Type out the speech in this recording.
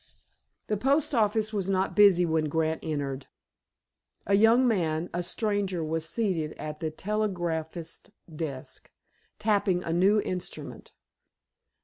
The post office was not busy when Grant entered. A young man, a stranger, was seated at the telegraphist's desk, tapping a new instrument.